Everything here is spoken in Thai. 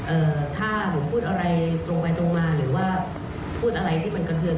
เอ่อถ้าหนูพูดอะไรตรงไปตรงมาหรือว่าพูดอะไรที่มันกระเทือน